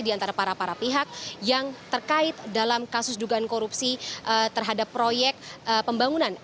di antara para para pihak yang terkait dalam kasus dugaan korupsi terhadap proyek pembangunan